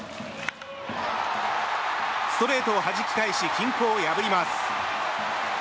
ストレートをはじき返し均衡を破ります。